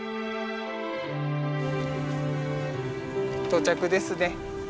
到着ですね。